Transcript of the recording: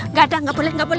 gak ada gak boleh gak boleh